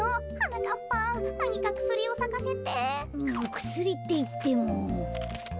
くすりっていっても。